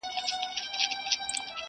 د زمانې په افسانو کي اوسېدلی چنار٫